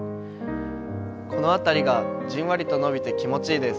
この辺りがじんわりと伸びて気持ちいいです。